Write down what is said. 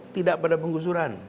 tidak pada pengusuran